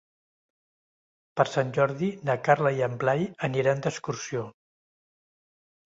Per Sant Jordi na Carla i en Blai aniran d'excursió.